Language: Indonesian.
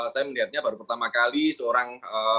saya melihatnya baru pertama kali seorang